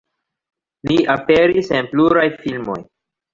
Li aperis en pluraj filmoj.